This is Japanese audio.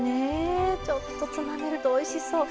ちょっと、つまめるとおいしそう。